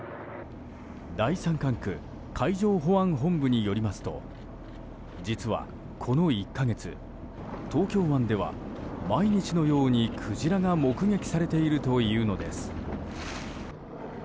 第三管区海上保安部によりますと実はこの１か月東京湾では毎日のようにクジラが目撃されているというのです。